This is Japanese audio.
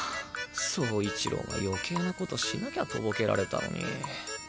走一郎が余計な事しなきゃとぼけられたのに。